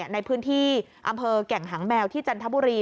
ในพื้นที่อำเภอแก่งหางแมวที่จันทบุรี